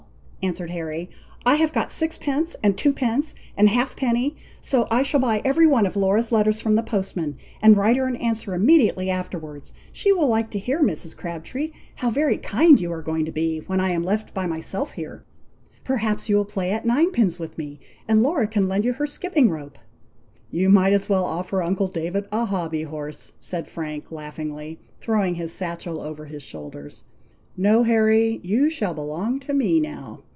answered Harry. "I have got sixpence, and two pence, and a half penny, so I shall buy every one of Laura's letters from the postman, and write her an answer immediately afterwards. She will like to hear, Mrs. Crabtree, how very kind you are going to be, when I am left by myself here. Perhaps you will play at nine pins with me, and Laura can lend you her skipping rope." "You might as well offer uncle David a hobby horse," said Frank, laughingly, throwing his satchel over his shoulders. "No, Harry! you shall belong to me now.